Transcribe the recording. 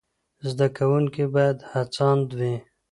زده کوونکي باید هڅاند وي.